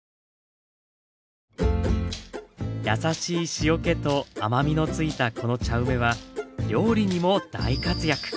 やさしい塩けと甘みのついたこの茶梅は料理にも大活躍。